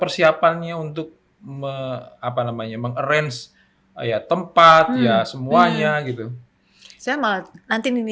perkawinan yangipe masyarakat kita yang sopan